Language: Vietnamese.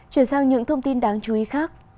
chuyển sang những thông tin đáng chú ý khác